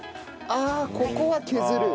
ああここは削る。